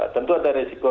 tentu ada resiko resiko ya